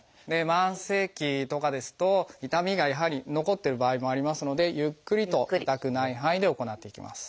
慢性期とかですと痛みがやはり残ってる場合もありますのでゆっくりと痛くない範囲で行っていきます。